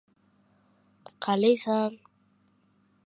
— Men seni bir yo‘lto‘sar deb eshitib edim.